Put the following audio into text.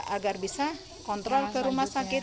agar bisa kontrol ke rumah sakit